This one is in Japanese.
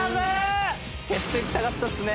決勝行きたかったですね。